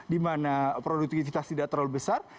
dimana produktivitas tidak terlalu besar